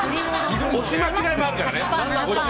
押し間違いもあるからね。